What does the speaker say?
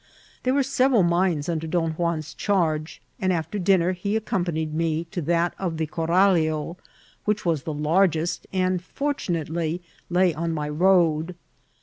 There were several mines under Don Juan's charge, and after dinner he accompanied me to that of Cor rallio, which was the largest, and, fortunately, lay on my road.